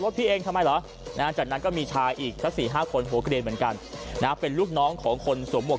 พี่เองทำไมเหรอจากนั้นก็มีชายอีกสัก๔๕คนหัวเกลียนเหมือนกันนะเป็นลูกน้องของคนสวมหวก